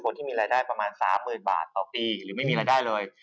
ที่มีรายได้ประมาณ๓๐๐๐บาทต่อปีหรือไม่มีรายได้เลย